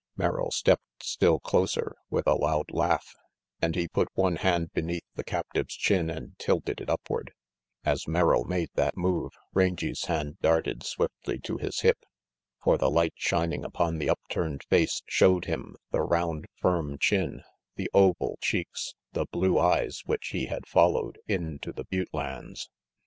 Merrill stepped still closer with a loud laugh, and he put one hand beneath the captive's chin and tilted it upward. As Merrill made that move, Rangy's hand darted swiftly to his hip. For the light shining upon the upturned face showed him the round firm chin, the oval cheeks, the blue eyes which he had followed into the butte lands.